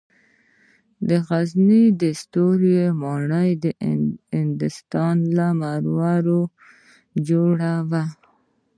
د غزني ستوري ماڼۍ د هندوستان له مرمرو جوړه وه